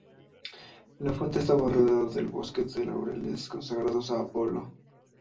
La fuente estaba rodeada de un bosque de laureles consagrados a Apolo.